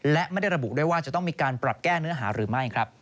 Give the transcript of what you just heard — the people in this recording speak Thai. และไม่ได้ระบุด้วยว่าจะต้องมีการปรับแก้เนื้อหาหรือไม่ครับ